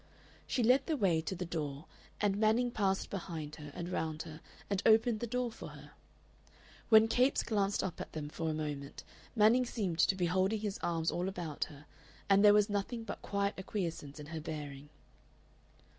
She led the way to the door, and Manning passed behind her and round her and opened the door for her. When Capes glanced up at them for a moment, Manning seemed to be holding his arms all about her, and there was nothing but quiet acquiescence in her bearing.